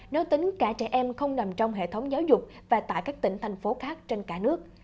nếu tính cả trẻ em không nằm trong hệ thống giáo dục và tại các tỉnh thành phố khác trên cả nước